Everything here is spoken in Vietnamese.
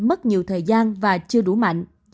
mất nhiều thời gian và chưa đủ mạnh